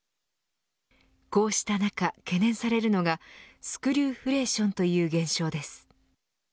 こうした中、懸念されるのがスクリューフレーションという現象です。